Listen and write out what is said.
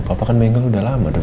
papa kan meninggal udah lama